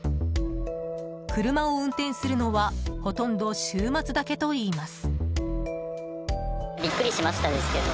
車を運転するのはほとんど週末だけといいます。